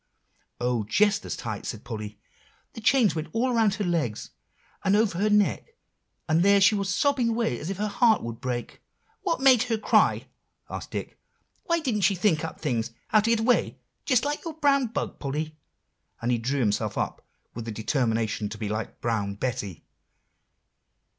"Oh! just as tight," said Polly; "the chain went all around her leg, and over her neck, and there she was sobbing away as if her heart would break." "What made her cry?" asked Dick. "Why didn't she think up things, how to get away, just like your brown bug, Polly?" and he drew himself up with the determination to be like Brown Betty.